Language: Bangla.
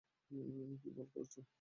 কি বাল করছো!